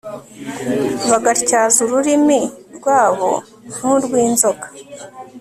bagatyaza ururimi rwabo nk'urw'inzoka